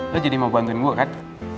lo jadi mau bantuin gue kan